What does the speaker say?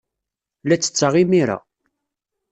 La ttetteɣ imir-a.